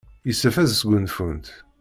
Yessefk ad sgunfunt.